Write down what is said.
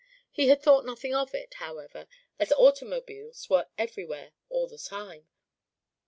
He had thought nothing of it, however, as automobiles were everywhere all the time.